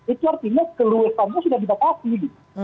itu artinya keluhnya kamu sudah dibatasi